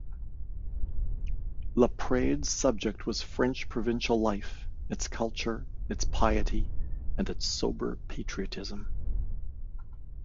Laprade's subject was French provincial life, its culture, its piety, and its sober patriotism.